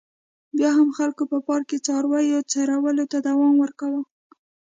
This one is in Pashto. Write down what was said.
بیا هم خلکو په پارک کې څارویو څرولو ته دوام ورکاوه.